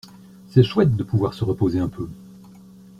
C'est chouette de pouvoir se reposer un peu.